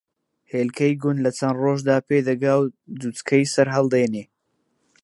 ھێلکەی کوند لە چەن ڕۆژدا پێ دەگا و جوچکەی سەرھەڵدێنێ